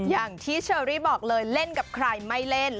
อย่างที่เชอรี่บอกเลยเล่นกับใครไม่เล่น